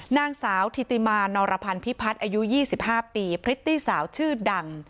นางสาวธิติมานพิพัฒน์อายุ๒๕ปีพฤติสาวชื่อดัง